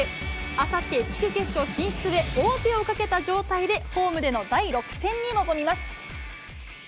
あさって、地区決勝進出へ王手をかけた状態で、ホームでの第６戦に臨みます。